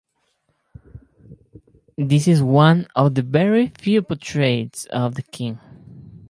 This is one of the very few portraits of the king.